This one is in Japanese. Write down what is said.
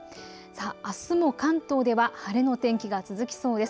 あすも関東では晴れの天気が続きそうです。